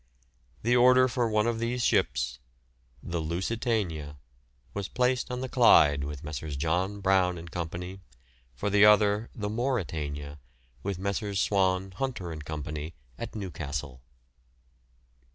The order for one of these ships, the "Lusitania," was placed on the Clyde with Messrs. John Brown and Co., for the other, the "Mauretania," with Messrs. Swan, Hunter and Co., at Newcastle.